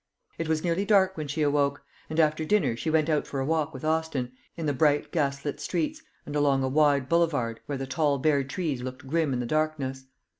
It was nearly dark when she awoke; and after dinner she went out for a walk with Austin, in the bright gas lit streets, and along a wide boulevard, where the tall bare trees looked grim in the darkness.